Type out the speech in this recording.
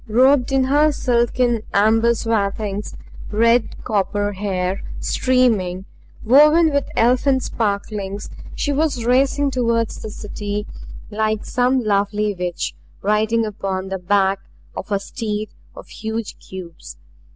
Robed in her silken amber swathings, red copper hair streaming, woven with elfin sparklings, she was racing toward the City like some lovely witch, riding upon the back of a steed of huge cubes.